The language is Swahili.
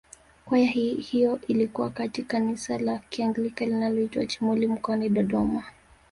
Kwaya hiyo ilikuwa katika kanisa la kianglikana linaloitwa Chimuli mkoani Dodoma